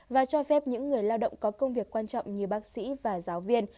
và cho phép những người lao động có công việc quan trọng như bác sĩ và giáo viên